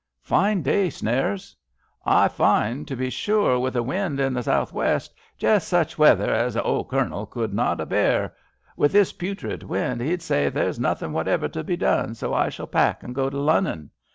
Fine day, Snares !" Ay, fine, to be sure, wi' the wind i' the sou' west. Jest sech weather as th' old Cournel could not a bear. *Wi' this putrid wind,' he'd say, •there's nothin* whatever to be done, so I shall pack and go to Lunnon.'